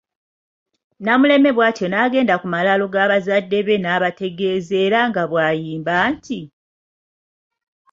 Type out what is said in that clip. Namuleme bw'atyo ng’agenda ku malaalo ga bazadde be ng’abategeeza era nga bw'ayimba nti,